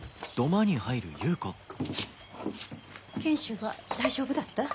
賢秀は大丈夫だった？